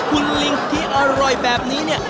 คุณลิงที่อร่อยแบบนี้เนี่ย